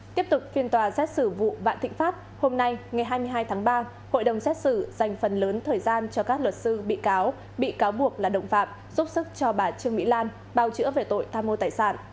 tiếp tục phiên tòa xét xử vụ vạn thịnh pháp hôm nay ngày hai mươi hai tháng ba hội đồng xét xử dành phần lớn thời gian cho các luật sư bị cáo bị cáo buộc là động phạm giúp sức cho bà trương mỹ lan bào chữa về tội tham mô tài sản